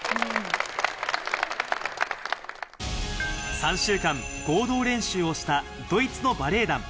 ３週間、合同練習をした、ドイツのバレエ団。